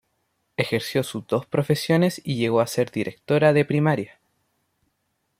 Ejerció sus dos profesiones y llegó a ser directora de primaria.